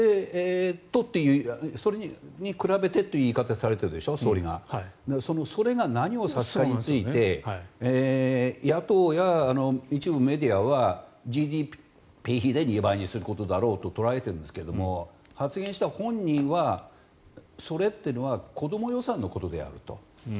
それに比べてという言い方をされてるでしょ、総理がそのそれが何を指すかについて野党や一部メディアはＧＤＰ比で２倍にすることだろうと捉えているんですが発言した本人はそれっていうのは子ども予算のことであると。